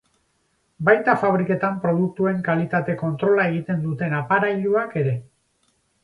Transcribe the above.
Baita fabriketan produktuen kalitate-kontrola egiten duten aparailuak ere.